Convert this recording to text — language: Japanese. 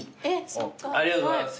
ありがとうございます。